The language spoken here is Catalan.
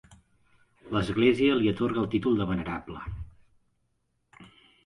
L'Església li atorga el títol de venerable.